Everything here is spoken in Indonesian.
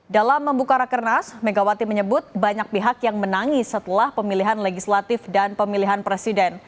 dalam membuka rakernas megawati menyebut banyak pihak yang menangis setelah pemilihan legislatif dan pemilihan presiden